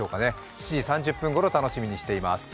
７時３０分ごろ、楽しみにしています。